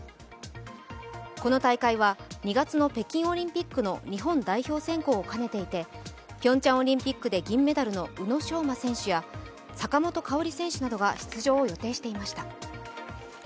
この大会は２月の北京オリンピックの日本代表選考を兼ねていてピョンチャンオリンピックで銀メダルの宇野昌磨選手や坂本花織選手などが出場を予定していました。